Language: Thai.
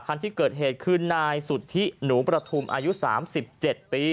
คันที่เกิดเหตุคือนายสุธิหนูประทุมอายุ๓๗ปี